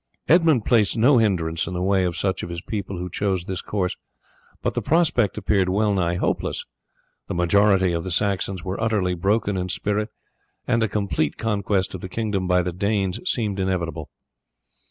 Edmund placed no hindrance in the way of such of his people who chose this course, for the prospect appeared well nigh hopeless. The majority of the Saxons were utterly broken in spirit, and a complete conquest of the kingdom by the Danes seemed inevitable.